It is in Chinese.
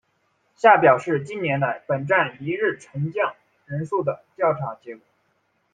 下表是近年来本站一日乘降人数的调查结果。